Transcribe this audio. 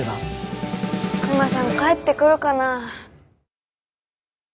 クマさん帰ってくるかな。